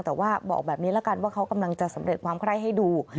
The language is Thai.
แต่ว่าบอกแบบนี้ละกันว่าเขากำลังจะสำเร็จความไคร้ให้ดู